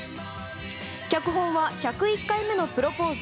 脚本は「１０１回目のプロポーズ」